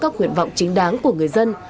các nguyện vọng chính đáng của người dân